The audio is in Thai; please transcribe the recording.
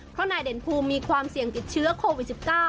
เพราะนายเด่นภูมิมีความเสี่ยงติดเชื้อโควิด๑๙